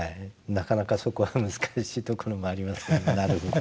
なかなかそこは難しいところもありますけどもなるほど。